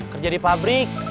kerja di pabrik